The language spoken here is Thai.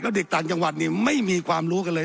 เด็กต่างจังหวัดเนี่ยไม่มีความรู้กันเลย